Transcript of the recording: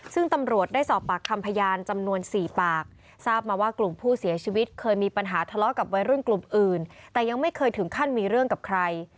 ซึ่งตำรวจได้สอบปากคำพยานจำนวน๔ปากทราบมาว่ากลุ่มผู้เสียชีวิตเคยมีปัญหาทะเลาะกับวัยรุ่นกลุ่มอื่นแต่ยังไม่เคยถึงขั้นมีเรื่องกับใคร